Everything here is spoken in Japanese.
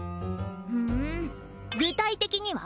ふん具体的には？